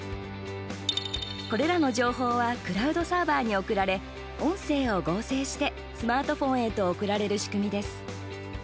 これらの情報はクラウドサーバーに送られ音声を合成してスマートフォンへと送られる仕組みです。